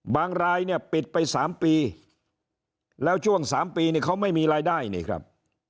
รายเนี่ยปิดไป๓ปีแล้วช่วง๓ปีเนี่ยเขาไม่มีรายได้นี่ครับ